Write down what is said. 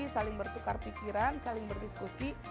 saling bertukar pikiran saling berdiskusi